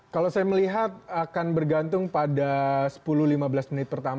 kalau saya melihat akan bergantung pada sepuluh lima belas menit pertama